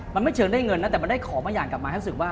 มันไม่เชิงได้เงินนะแต่มันได้ของบางอย่างกลับมาให้รู้สึกว่า